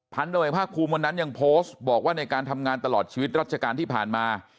โดยภาคภูมิวันนั้นยังโพสต์บอกว่าในการทำงานตลอดชีวิตรัชการที่ผ่านมา